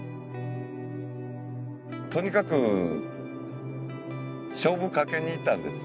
とにかく勝負かけに行ったんです